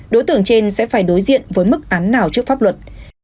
đối tượng trên sẽ phải đối diện với mức án nào trước pháp luật